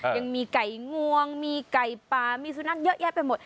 ยังมีไก่งวงมีไก่ปลามีสุนัขเยอะแยะไปหมด